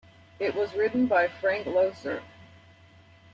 It was written by Frank Loesser.